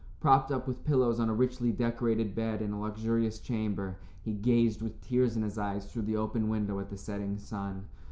Propped up with pillows on a richly decorated bed in a luxurious chamber, he gazed, with tears in his eyes, through the open window at the setting sun.